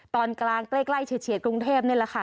ตอนกลางใกล้เฉียดกรุงเทพนี่แหละค่ะ